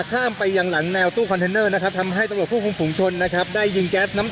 ทางกลุ่มมวลชนทะลุฟ้าทางกลุ่มมวลชนทะลุฟ้า